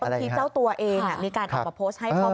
บางทีเจ้าตัวเองมีการอัพโพสต์ให้พ่อบูล